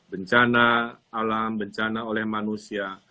bencana alam bencana oleh manusia